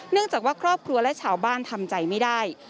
จากว่าครอบครัวและชาวบ้านทำใจไม่ได้